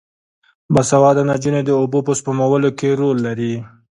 باسواده نجونې د اوبو په سپمولو کې رول لري.